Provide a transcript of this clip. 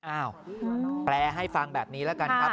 อ้าวแปลให้ฟังแบบนี้แล้วกันครับ